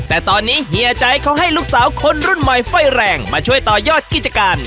แต่ตอนนี้เฮียใจเขาให้ลูกสาวคนรุ่นใหม่ไฟแรงมาช่วยต่อยอดกิจการ